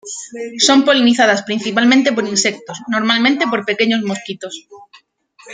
Son polinizadas principalmente por insectos, normalmente por pequeños mosquitos.